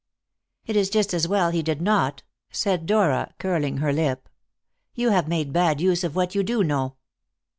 "It is just as well he did not," said Dora, curling her lip; "you have made bad use of what you do know."